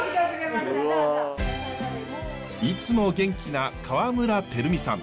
いつも元気な川村照美さん。